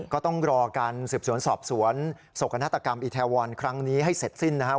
ก็ต้องรอการสืบสวนสอบสวนอีแทวรครั้งนี้ให้เสร็จสิ้นนะครับ